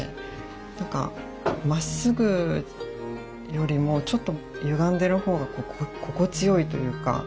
なんかまっすぐよりもちょっとゆがんでるほうがこう心地よいというか。